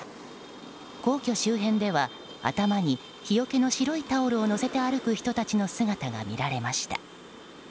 皇居周辺では頭に日よけの白いタオルを乗せて歩く人たちの姿が見られました。